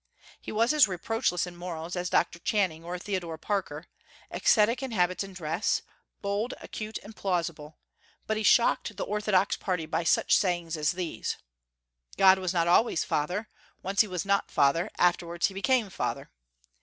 He was as reproachless in morals as Dr. Channing or Theodore Parker; ascetic in habits and dress; bold, acute, and plausible; but he shocked the orthodox party by such sayings as these: "God was not always Father; once he was not Father; afterwards he became Father."